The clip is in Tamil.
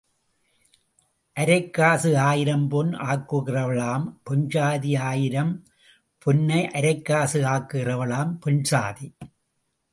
அரைக் காசை ஆயிரம் பொன் ஆக்குகிறவளும் பெண்சாதி ஆயிரம் பொன்னை அரைக் காசு ஆக்குகிறவளும் பெண்சாதி.